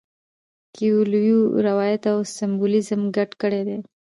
کویلیو روایت او سمبولیزم ګډ کړي دي.